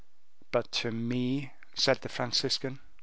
"But to me?" said the Franciscan.